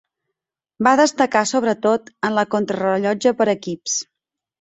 Va destacar sobretot en la Contrarellotge per equips.